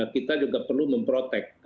kita juga perlu memprotek